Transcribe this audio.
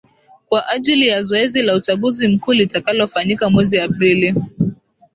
kwajili ya zoezi la uchaguzi mkuu litakalofanyika mwezi aprili